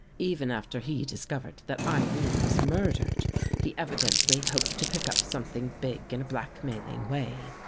Even after he discovered that Irene was murdered, he evidently hoped to pick up something big in a blackmailing way.